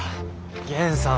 源さん